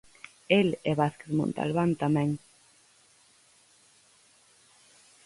El e Vázquez Montalbán tamén.